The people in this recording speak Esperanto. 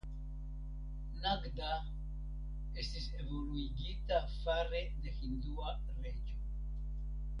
Nagda estis evoluigita fare de hindua reĝo.